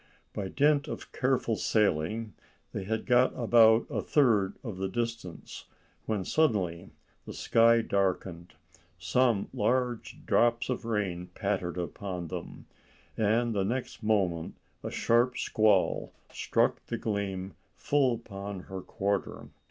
By dint of careful sailing they had got about a third of the distance, when suddenly the sky darkened, some large drops of rain, pattered upon them, and the next moment a sharp squall struck the Gleam full upon her quarter.